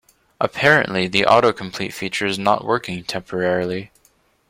Apparently, the autocomplete feature is not working temporarily.